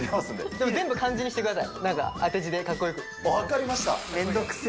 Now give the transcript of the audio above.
でも全部漢字にしてください、分かりました。